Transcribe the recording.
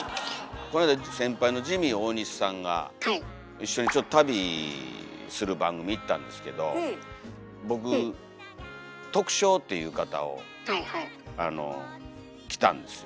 こないだ先輩のジミー大西さんが一緒にちょっと旅する番組行ったんですけど僕着たんですよ。